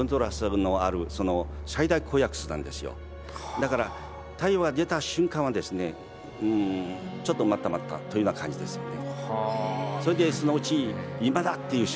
だから太陽が出た瞬間はですね「ちょっと待った待った！」というような感じですよね。